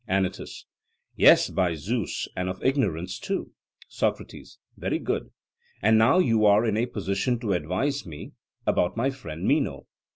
ANYTUS: Yes, by Zeus, and of ignorance too. SOCRATES: Very good. And now you are in a position to advise with me about my friend Meno.